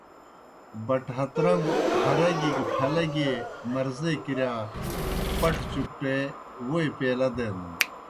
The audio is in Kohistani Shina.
بَٹ ہَترن٘گو ہَرَگیْ گہ پھلَگیْ مرضے کِرِیا پٹھہ چُکٹے ووئی پیالہ دینَن۔